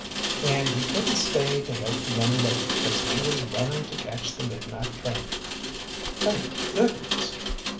"And he couldn't stay to help the young lady, 'cause he was running to catch the midnight train." "Thank goodness!"